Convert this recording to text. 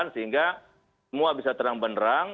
sehingga semua bisa terang benerang